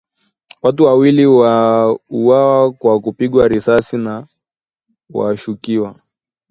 Watu wawili wauawa kwa kupigwa risasi na washukiwa